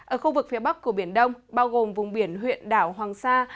ở khu vực phía bắc của biển đông bao gồm vùng biển huyện đảo hoàng sa